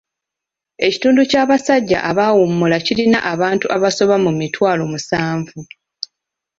Ekitundu ky'abasajja abaummula kirina abantu abasoba mu mitwalo musanvu.